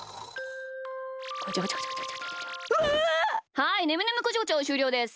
はいねむねむこちょこちょしゅうりょうです。